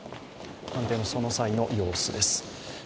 官邸のその際の様子です。